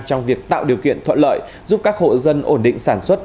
trong việc tạo điều kiện thuận lợi giúp các hộ dân ổn định sản xuất